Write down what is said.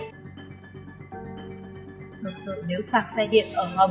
thực sự nếu xạc xe điện ở hầm